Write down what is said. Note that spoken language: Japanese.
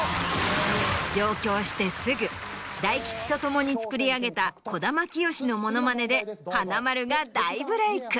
上京してすぐ大吉と共に作り上げた児玉清のモノマネで華丸が大ブレイク。